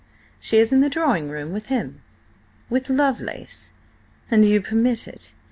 She is in the drawing room with him." "With Lovelace! And you permit it?